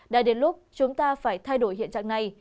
đã đến lúc chúng ta phải thay đổi hiện trạng này